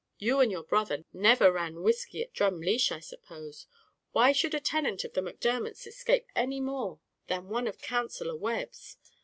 You and your brother never ran whiskey at Drumleesh, I suppose. Why should a tenant of the Macdermots escape any more than one of Counsellor Webb's?"